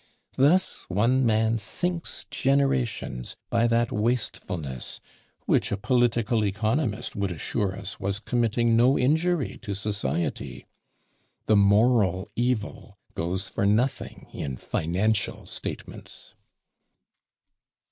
Thus one man sinks generations by that wastefulness, which a political economist would assure us was committing no injury to society! The moral evil goes for nothing in financial statements.